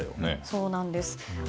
そうなんです。